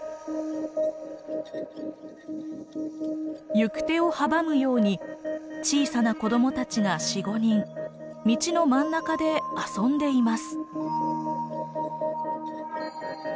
行く手を阻むように小さな子どもたちが４５人道の真ん中で遊んでいます。